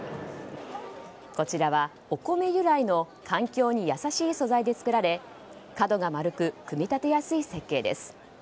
こちらはお米由来の環境に優しい素材で作られ、角が丸く組み立てやすい設計です。